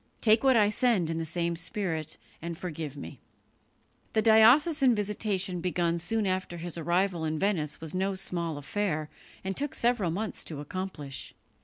Take what I send in the same spirit, and forgive me." The diocesan visitation begun soon after his arrival in Venice was no small affair, and took several months to accomplish.